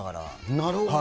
なるほど。